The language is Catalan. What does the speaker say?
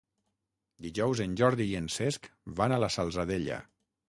Dijous en Jordi i en Cesc van a la Salzadella.